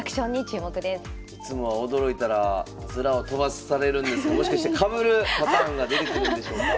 いつもは驚いたらヅラを飛ばされるんですけどもしかしてかぶるパターンが出てくるんでしょうか？